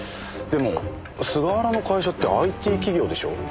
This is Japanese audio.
でも菅原の会社ってＩＴ企業でしょ？